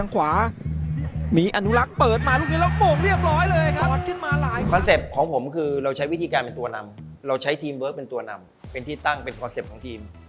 คอนเซ็ปมีเราใช้วิธีการเป็นตัวนำเราใช้ทีมเวิร์คเป็นตัวนำเป็นที่ตั้งเป็นคอนเซ็ปต์ของทีม